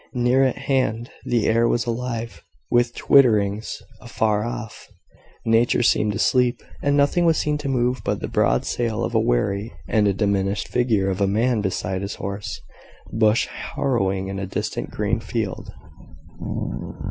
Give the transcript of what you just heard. Near at hand the air was alive with twitterings: afar off, nature seemed asleep, and nothing was seen to move but the broad sail of a wherry, and a diminished figure of a man beside his horse, bush harrowing in a distant green field.